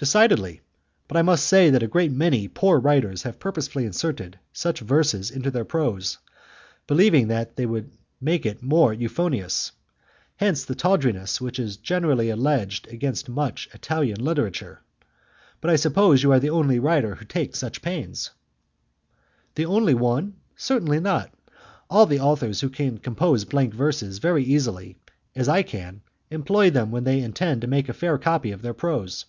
"Decidedly. But I must say that a great many poor writers have purposely inserted such verses into their prose, believing that they would make it more euphonious. Hence the tawdriness which is justly alleged against much Italian literature. But I suppose you are the only writer who takes so much pains." "The only one? Certainly not. All the authors who can compose blank verses very easily, as I can, employ them when they intend to make a fair copy of their prose.